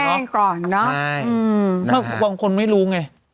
ลงแจ้งก่อนเนอะใช่เออนะฮะบางคนไม่รู้ไง